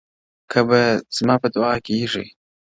كه به زما په دعا كيږي؛